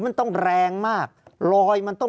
ภารกิจสรรค์ภารกิจสรรค์